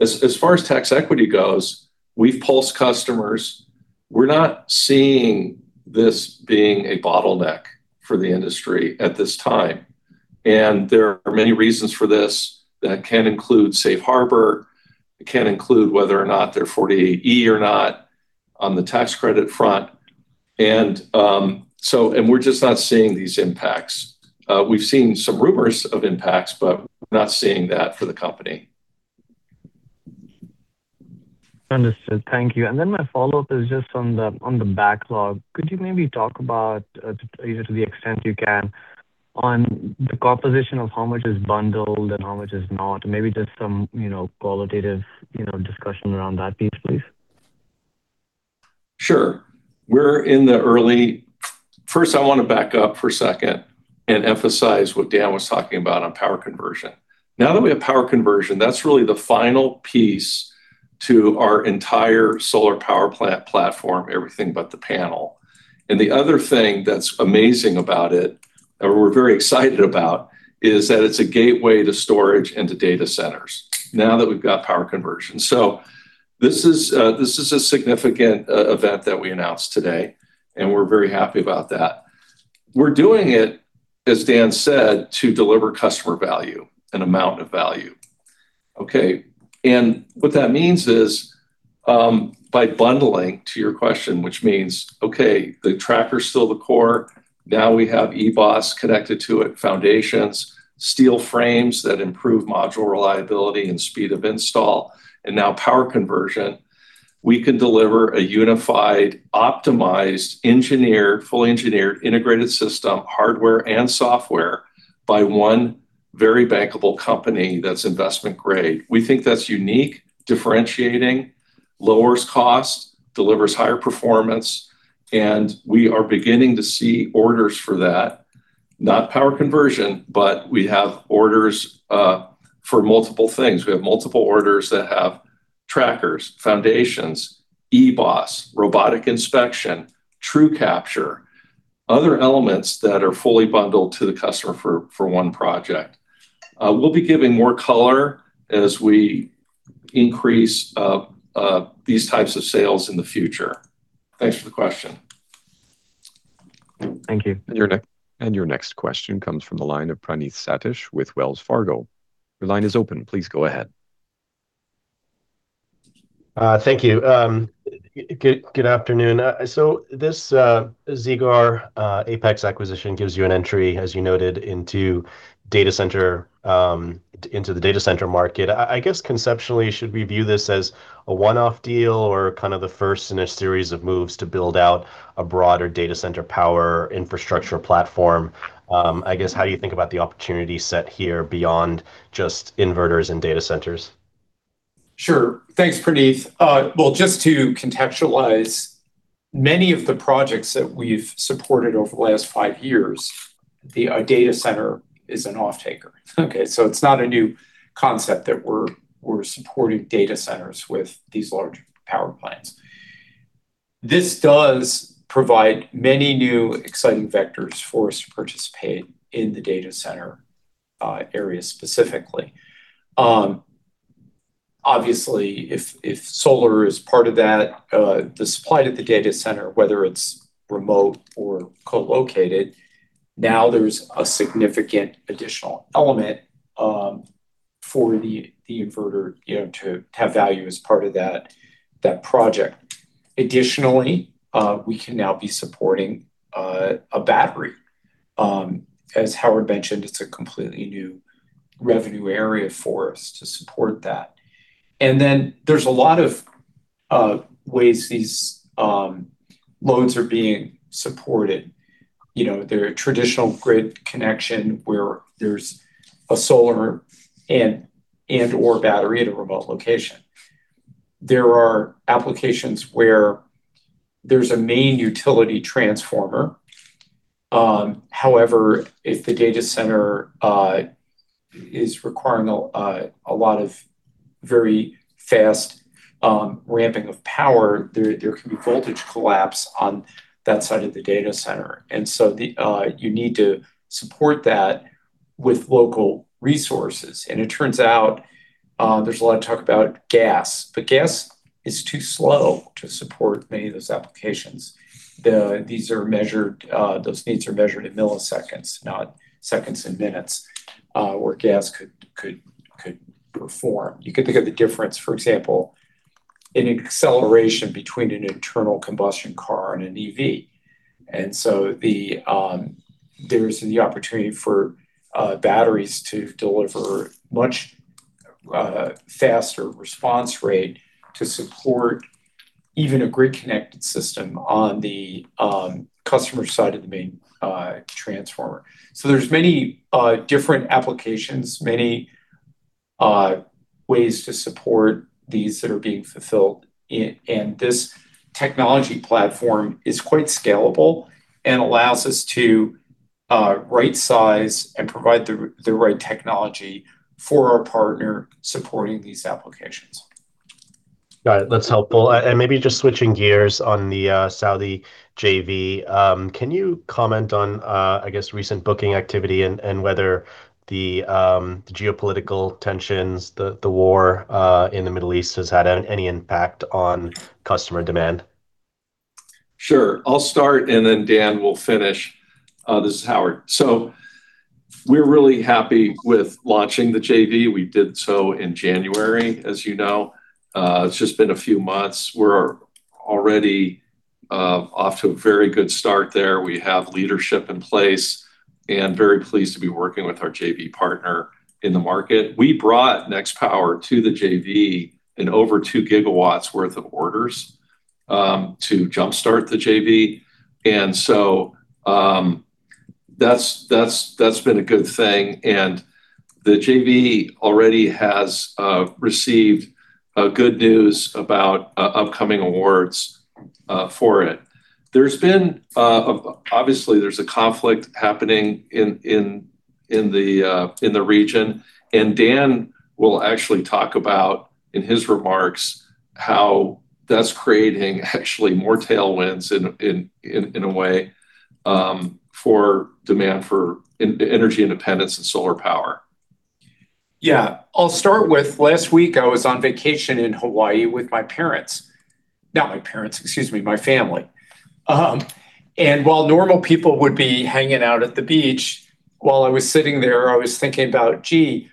As far as tax equity goes, we've pulsed customers, we're not seeing this being a bottleneck for the industry at this time. There are many reasons for this that can include safe harbor, it can include whether or not they're 48E or not on the tax credit front. We're just not seeing these impacts. We've seen some rumors of impacts, but we're not seeing that for the company. Understood. Thank you. My follow-up is just on the backlog. Could you maybe talk about, you know to the extent you can, on the composition of how much is bundled and how much is not? Maybe just some, you know, qualitative, you know, discussion around that piece, please. Sure. First, I wanna back up for a second and emphasize what Dan was talking about on power conversion. Now that we have power conversion, that's really the final piece to our entire solar power plant platform, everything but the panel. The other thing that's amazing about it or we're very excited about is that it's a gateway to storage and to data centers now that we've got power conversion. This is a significant event that we announced today, and we're very happy about that. We're doing it, as Dan said, to deliver customer value, an amount of value. What that means is, by bundling to your question, which means, okay, the tracker's still the core, now we have eBOS connected to it, foundations, steel frames that improve module reliability and speed of install, and now power conversion. We can deliver a unified, optimized, engineered, fully engineered, integrated system, hardware and software by one very bankable company that's investment grade. We think that's unique, differentiating, lowers cost, delivers higher performance, and we are beginning to see orders for that. Not power conversion, but we have orders for multiple things. We have multiple orders that have trackers, foundations, eBOS, robotic inspection, TrueCapture, other elements that are fully bundled to the customer for one project. We'll be giving more color as we increase these types of sales in the future. Thanks for the question. Thank you. Your next question comes from the line of Praneeth Satish with Wells Fargo. Your line is open. Please go ahead. Thank you. Good afternoon. This Zigor, Apex acquisition gives you an entry, as you noted, into data center, into the data center market. I guess conceptually, should we view this as a one-off deal or kind of the first in a series of moves to build out a broader data center power infrastructure platform? I guess, how do you think about the opportunity set here beyond just inverters and data centers? Sure. Thanks, Praneeth. Well, just to contextualize, many of the projects that we've supported over the last five years, the data center is an offtaker. Okay. It's not a new concept that we're supporting data centers with these large power plants. This does provide many new exciting vectors for us to participate in the data center area specifically. Obviously, if solar is part of that, the supply to the data center, whether it's remote or co-located, now there's a significant additional element for the inverter, you know, to have value as part of that project. We can now be supporting a battery. As Howard mentioned, it's a completely new revenue area for us to support that. There's a lot of ways these loads are being supported. You know, their traditional grid connection where there's a solar and/or battery at a remote location. There are applications where there's a main utility transformer. If the data center is requiring a lot of very fast ramping of power, there can be voltage collapse on that side of the data center. You need to support that with local resources. It turns out, there's a lot of talk about gas is too slow to support many of those applications. These are measured, those needs are measured in milliseconds, not seconds and minutes, where gas could perform. You could think of the difference, for example, in acceleration between an internal combustion car and an EV. There's the opportunity for batteries to deliver much faster response rate to support even a grid connected system on the customer side of the main transformer. There's many different applications, many ways to support these that are being fulfilled. This technology platform is quite scalable and allows us to rightsize and provide the right technology for our partner supporting these applications. Got it. That's helpful. Maybe just switching gears on the Saudi JV. Can you comment on, I guess recent booking activity and whether the geopolitical tensions, the war in the Middle East has had any impact on customer demand? Sure. I'll start and then Dan will finish. This is Howard. We're really happy with launching the JV. We did so in January, as you know. It's just been a few months. We're already off to a very good start there. We have leadership in place, and very pleased to be working with our JV partner in the market. We brought Nextpower to the JV in over 2 GW worth of orders to jump-start the JV. That's been a good thing. The JV already has received good news about upcoming awards for it. There's been obviously there's a conflict happening in the region. Dan will actually talk about in his remarks how that's creating actually more tailwinds in a way for demand for energy independence and solar power. Yeah. I'll start with last week, I was on vacation in Hawaii with my parents. Not my parents, excuse me, my family. While normal people would be hanging out at the beach, while I was sitting there, I was thinking about, gee,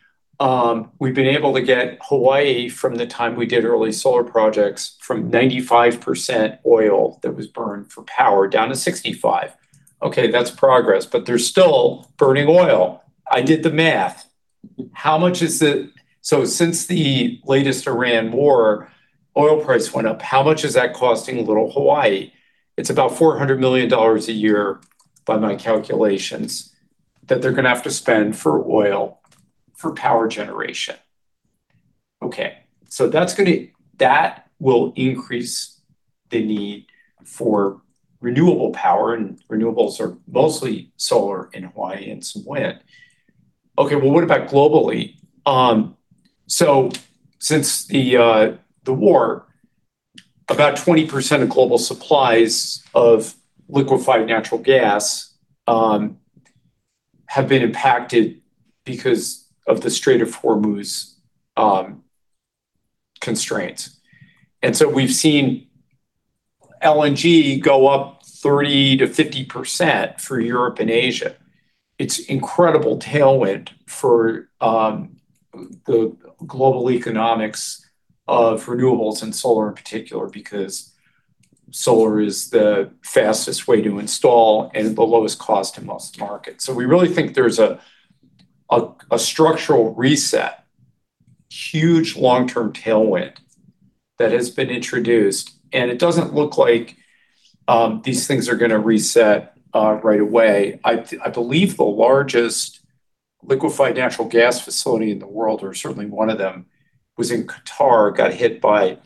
we've been able to get Hawaii from the time we did early solar projects from 95% oil that was burned for power, down to 65%. Okay, that's progress, they're still burning oil. I did the math. How much is it? Since the latest Iran war, oil price went up. How much is that costing little Hawaii? It's about $400 million a year, by my calculations, that they're gonna have to spend for oil for power generation. Okay, that will increase the need for renewable power, and renewables are mostly solar in Hawaii and some wind. What about globally? Since the war, about 20% of global supplies of liquefied natural gas have been impacted because of the Strait of Hormuz constraints. We've seen LNG go up 30%-50% for Europe and Asia. It's incredible tailwind for the global economics of renewables and solar in particular, because solar is the fastest way to install and the lowest cost in most markets. We really think there's a structural reset, huge long-term tailwind that has been introduced, and it doesn't look like these things are gonna reset right away. I believe the largest liquefied natural gas facility in the world, or certainly one of them, was in Qatar, got hit by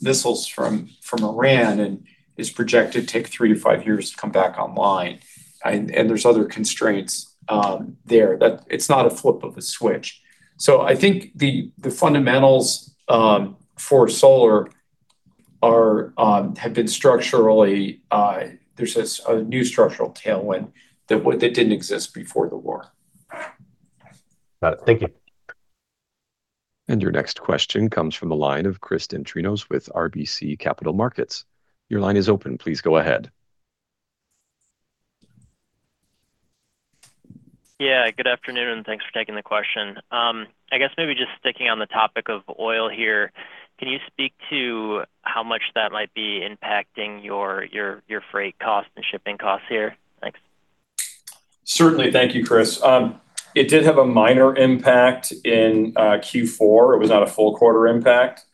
missiles from Iran and is projected to take three to five years to come back online. There's other constraints there. It's not a flip of a switch. I think the fundamentals for solar are have been structurally, there's this, a new structural tailwind that didn't exist before the war. Got it. Thank you. Your next question comes from the line of Chris Dendrinos with RBC Capital Markets. Your line is open. Please go ahead. Good afternoon, thanks for taking the question. I guess maybe just sticking on the topic of oil here, can you speak to how much that might be impacting your freight cost and shipping costs here? Thanks. Certainly. Thank you, Chris. It did have a minor impact in Q4. It was not a full quarter impact,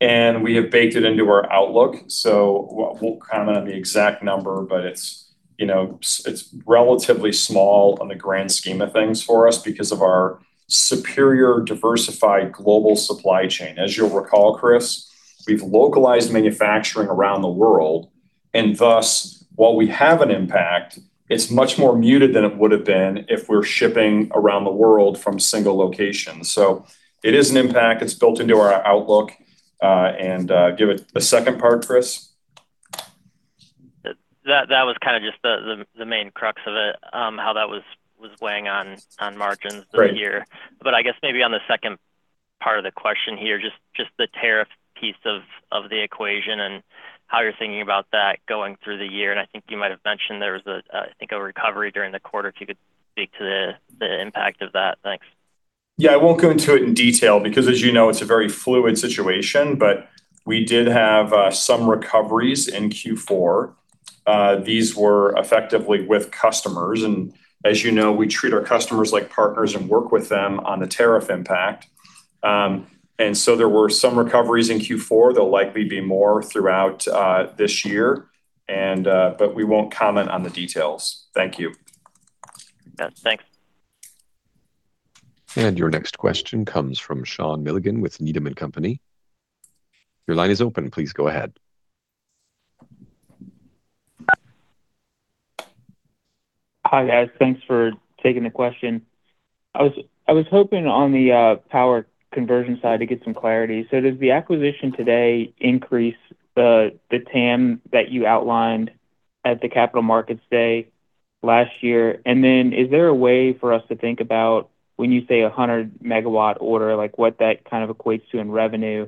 and we have baked it into our outlook. We'll comment on the exact number, but it's, you know, it's relatively small on the grand scheme of things for us because of our superior diversified global supply chain. As you'll recall, Chris, we've localized manufacturing around the world, and thus, while we have an impact, it's much more muted than it would have been if we're shipping around the world from single locations. It is an impact. It's built into our outlook, and Give it the second part, Chris. That was kind of just the main crux of it, how that was weighing on margins. Right. This year. I guess maybe on the second part of the question here, just the tariff piece of the equation and how you're thinking about that going through the year. I think you might have mentioned there was a, I think a recovery during the quarter, if you could speak to the impact of that. Thanks. Yeah, I won't go into it in detail because, as you know, it's a very fluid situation, but we did have some recoveries in Q4. These were effectively with customers, and as you know, we treat our customers like partners and work with them on the tariff impact. There were some recoveries in Q4. There'll likely be more throughout this year and, we won't comment on the details. Thank you. Yeah. Thanks. Your next question comes from Sean Milligan with Needham & Company. Your line is open. Please go ahead. Hi, guys. Thanks for taking the question. I was hoping on the power conversion side to get some clarity. Does the acquisition today increase the TAM that you outlined at the Capital Markets Day last year? Is there a way for us to think about when you say a 100 MW order, like what that kind of equates to in revenue?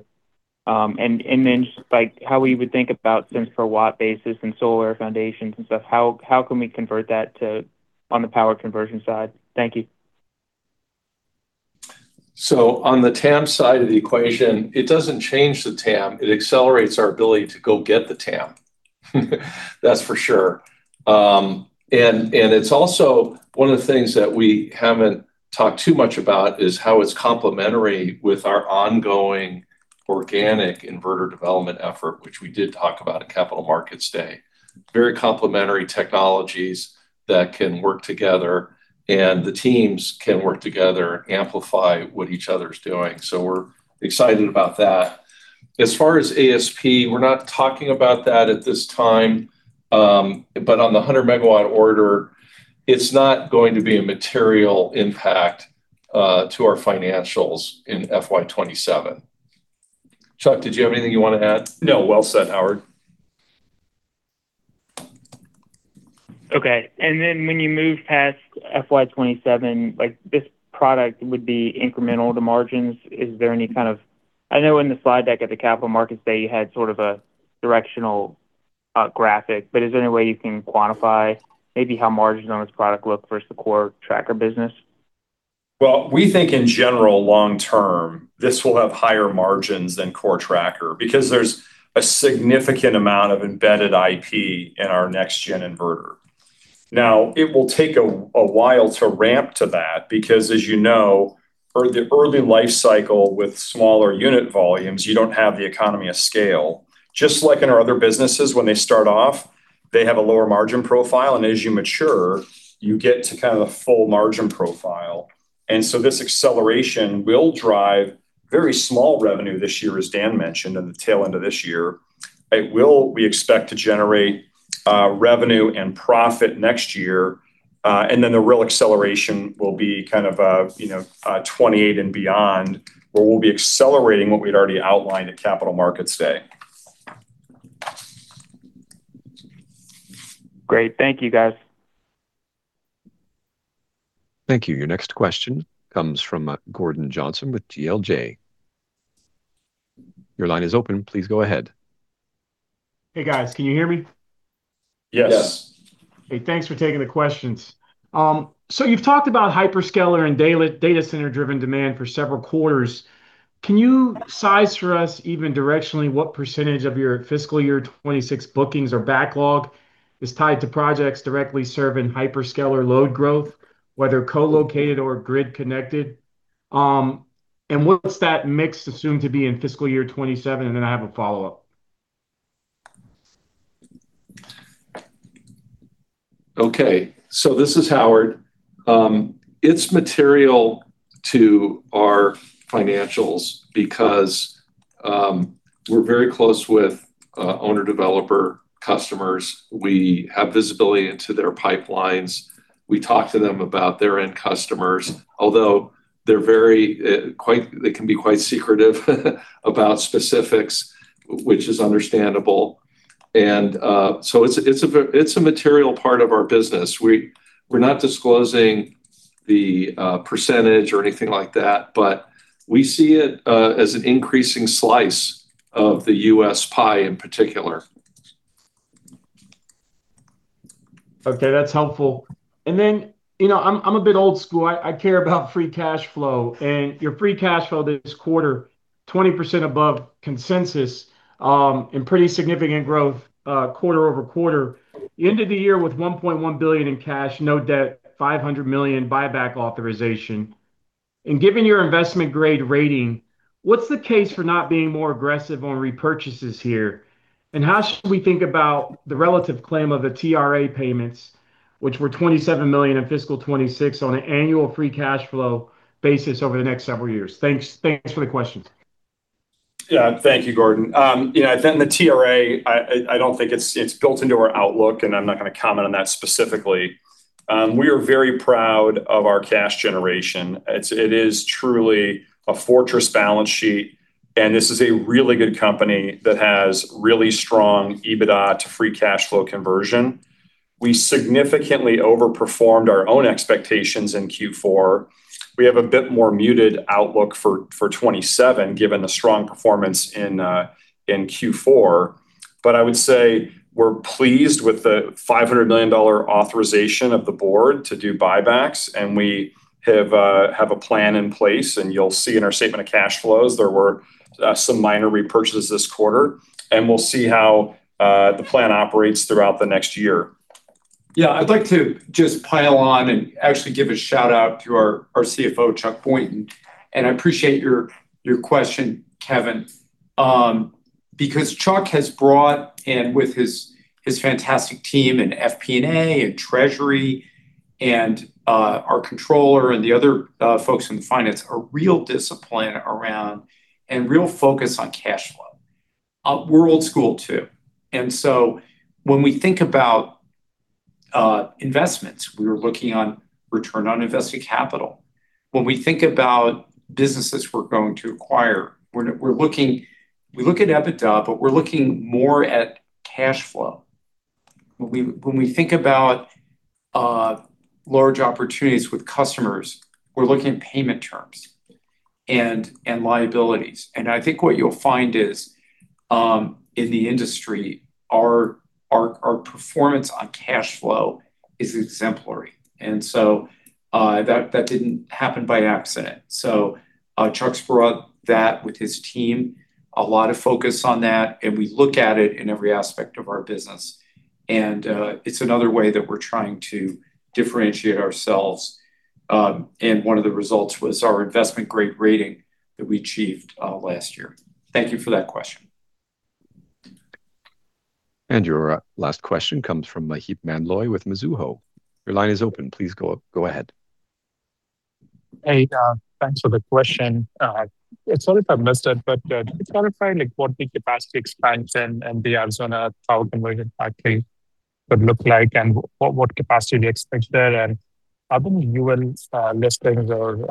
Just like how we would think about cents per watt basis and solar foundations and stuff, how can we convert that to on the power conversion side? Thank you. On the TAM side of the equation, it doesn't change the TAM. It accelerates our ability to go get the TAM. That's for sure. It's also, one of the things that we haven't talked too much about is how it's complementary with our ongoing organic inverter development effort, which we did talk about at Capital Markets Day. Very complementary technologies that can work together, and the teams can work together, amplify what each other's doing. We're excited about that. As far as ASP, we're not talking about that at this time. On the 100 MW order, it's not going to be a material impact to our financials in FY 2027. Chuck, did you have anything you want to add? No. Well said, Howard. Okay. When you move past FY 2027, like this product would be incremental to margins. Is there any kind of I know in the slide deck at the Capital Markets Day, you had sort of a directional graphic, but is there any way you can quantify maybe how margins on this product look versus the core tracker business? Well, we think in general long-term, this will have higher margins than core tracker because there's a significant amount of embedded IP in our next-gen inverter. It will take a while to ramp to that because as you know, the early life cycle with smaller unit volumes, you don't have the economy of scale. Just like in our other businesses, when they start off, they have a lower margin profile. As you mature, you get to kind of the full margin profile. This acceleration will drive very small revenue this year, as Dan mentioned, in the tail end of this year. It will, we expect to generate revenue and profit next year. Then the real acceleration will be kind of, you know, 2028 and beyond, where we'll be accelerating what we'd already outlined at Capital Markets Day. Great. Thank you, guys. Thank you. Your next question comes from Gordon Johnson with GLJ. Your line is open. Please go ahead. Hey, guys. Can you hear me? Yes. Yes. Hey, thanks for taking the questions. You've talked about hyperscaler and data center driven demand for several quarters. Can you size for us even directionally what percentage of your fiscal year 2026 bookings or backlog is tied to projects directly serving hyperscaler load growth, whether co-located or grid connected? What's that mix assumed to be in fiscal year 2027? I have a follow-up. This is Howard. It's material to our financials because we're very close with owner developer customers. We have visibility into their pipelines. We talk to them about their end customers. Although they're very secretive about specifics, which is understandable. It's a material part of our business. We're not disclosing the percentage or anything like that, but we see it as an increasing slice of the U.S. pie in particular. Okay, that's helpful. You know, I'm a bit old school. I care about free cashflow, and your free cashflow this quarter, 20% above consensus, pretty significant growth quarter-over-quarter. You ended the year with $1.1 billion in cash, no debt, $500 million buyback authorization. Given your investment grade rating, what's the case for not being more aggressive on repurchases here? How should we think about the relative claim of the TRA payments, which were $27 million in FY 2026 on an annual free cashflow basis over the next several years? Thanks for the questions. Thank you, Gordon. You know, the TRA, I don't think it's built into our outlook, and I'm not gonna comment on that specifically. We are very proud of our cash generation. It is truly a fortress balance sheet, and this is a really good company that has really strong EBITDA to free cash flow conversion. We significantly overperformed our own expectations in Q4. We have a bit more muted outlook for 2027, given the strong performance in Q4. I would say we're pleased with the $500 million authorization of the board to do buybacks, and we have a plan in place. You'll see in our statement of cash flows there were some minor repurchases this quarter, and we'll see how the plan operates throughout the next year. Yeah. I'd like to just pile on and actually give a shout-out to our CFO, Chuck Boynton. I appreciate your question, Kevin, because Chuck has brought in with his fantastic team in FP&A, in Treasury, and our controller and the other folks in finance, a real discipline around and real focus on cash flow. We're old school too, when we think about investments, we're looking on return on invested capital. When we think about businesses we're going to acquire, we look at EBITDA, but we're looking more at cash flow. When we think about large opportunities with customers, we're looking at payment terms and liabilities. I think what you'll find is, in the industry, our performance on cash flow is exemplary. That didn't happen by accident. Chuck's brought that with his team, a lot of focus on that, and we look at it in every aspect of our business. It's another way that we're trying to differentiate ourselves. One of the results was our investment-grade rating that we achieved last year. Thank you for that question. Your last question comes from Maheep Mandloi with Mizuho. Your line is open. Please go ahead. Hey, thanks for the question. Sorry if I missed it, but just wanna find like what the capacity expands and the Arizona power conversion factory would look like and what capacity to expect there. Are there UL listings or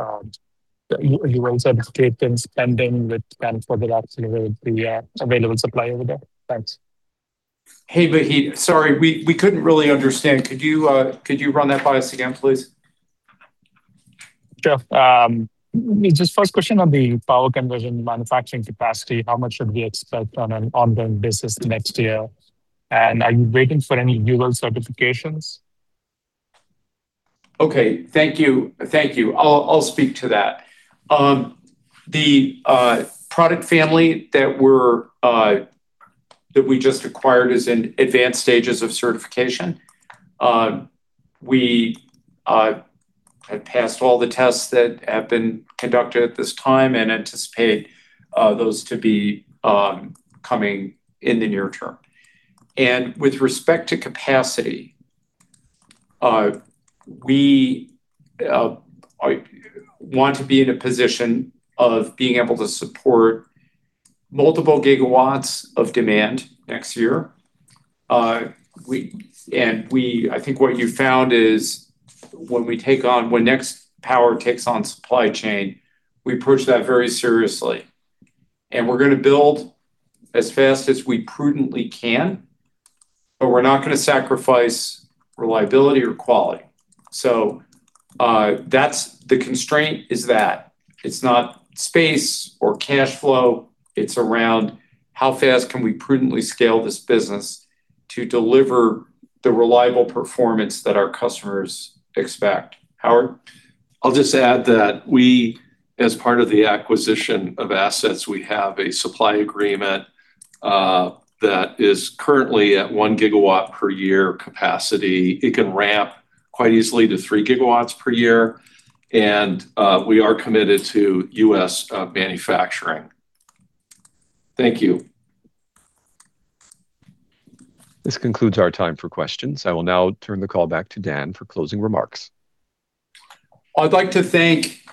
UL certifications pending with plans for the rest of the available supply over there? Thanks. Hey, Maheep. Sorry, we couldn't really understand. Could you run that by us again, please? Sure. Just first question on the power conversion manufacturing capacity. How much should we expect on an ongoing basis next year? Are you waiting for any UL certifications? Okay. Thank you. Thank you. I'll speak to that. The product family that we're that we just acquired is in advanced stages of certification. We have passed all the tests that have been conducted at this time and anticipate those to be coming in the near-term. With respect to capacity, we want to be in a position of being able to support multiple gigawatts of demand next year. I think what you found is when Nextpower takes on supply chain, we approach that very seriously. We're gonna build as fast as we prudently can, we're not gonna sacrifice reliability or quality. The constraint is that. It's not space or cash flow. It's around how fast can we prudently scale this business to deliver the reliable performance that our customers expect. Howard? I'll just add that we, as part of the acquisition of assets, we have a supply agreement, that is currently at 1 GW per year capacity. It can ramp quite easily to 3 GW per year, and we are committed to U.S. manufacturing. Thank you. This concludes our time for questions. I will now turn the call back to Dan for closing remarks. I'd like to thank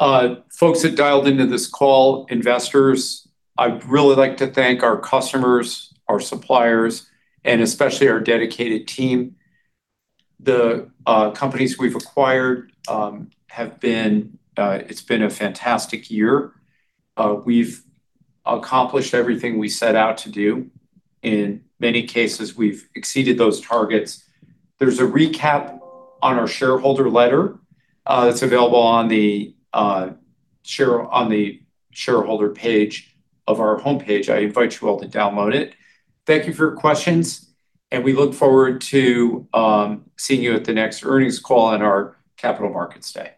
folks that dialed into this call, investors. I'd really like to thank our customers, our suppliers, and especially our dedicated team. The companies we've acquired have been, it's been a fantastic year. We've accomplished everything we set out to do. In many cases, we've exceeded those targets. There's a recap on our shareholder letter that's available on the shareholder page of our homepage. I invite you all to download it. Thank you for your questions, and we look forward to seeing you at the next earnings call on our Capital Markets Day.